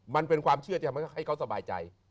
มันเป็นความเชื่อที่ทำให้เขาสบายใจ